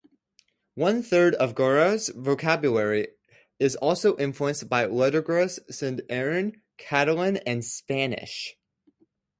One third of Gallurese vocabulary is also influenced by Logudorese Sardinian, Catalan, and Spanish.